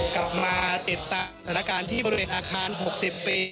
กลับมาติดตามสถานการณ์ที่บริเวณอาคาร๖๐ปี